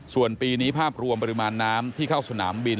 ส่วนปีนี้ภาพรวมปริมาณน้ำที่เข้าสนามบิน